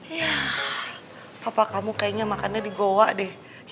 iya papa kamu kayaknya makannya di goa deh